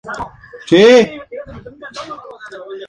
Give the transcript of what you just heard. Fue un matrimonio de conveniencia entre las dos naciones.